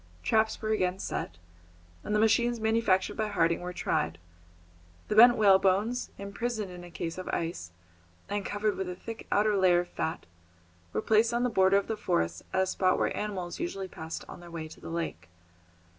Traps were again set, and the machines manufactured by Harding were tried. The bent whalebones, imprisoned in a case of ice, and covered with a thick outer layer of fat, were placed on the border of the forest at a spot where animals usually passed on their way to the lake.